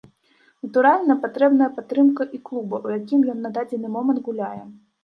Натуральна, патрэбная падтрымка і клуба, у якім ён на дадзены момант гуляе.